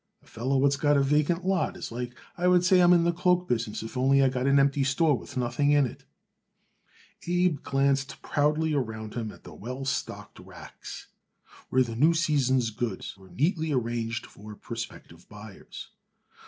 A feller what's got vacant lots is like I would say I am in the cloak business if I only get it an empty store with nothing in it." Abe glanced proudly around him at the well stocked racks, where the new season's goods were neatly arranged for prospective buyers.